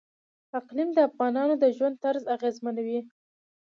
اقلیم د افغانانو د ژوند طرز اغېزمنوي.